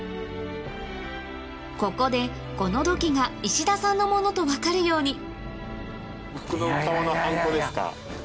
ここでこの土器が石田さんのものと分かるように僕の顔のハンコ。